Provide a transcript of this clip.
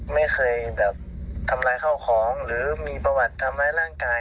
ไม่เคยแบบทำร้ายข้าวของหรือมีประวัติทำร้ายร่างกาย